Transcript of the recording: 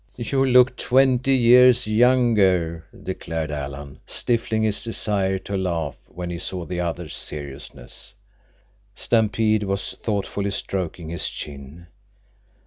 "You look twenty years younger," declared Alan, stifling his desire to laugh when he saw the other's seriousness. Stampede was thoughtfully stroking his chin.